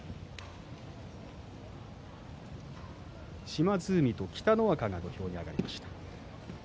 島津海と北の若が土俵に上がりました。